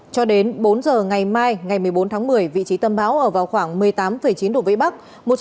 cho đến bốn giờ ngày mai ngày một mươi bốn tháng một mươi vị trí tâm bão ở vào khoảng một mươi tám chín độ vĩ bắc